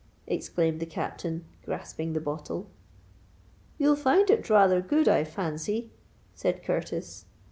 exclaimed the Captain, grasping the bottle. "You'll find it rather good, I fancy," said Curtis.